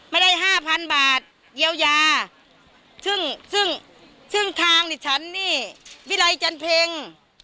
ห้าพันบาทเยียวยาซึ่งซึ่งทางดิฉันนี่วิรัยจันเพ็ง